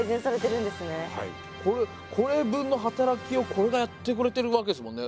これ分の働きをこれがやってくれてるわけですもんね。